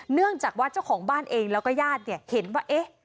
เนื่องจากว่าเจ้าของบ้านเองแล้วก็ญาติเนี่ยเห็นว่าเอ๊ะ